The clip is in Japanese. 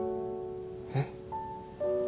えっ？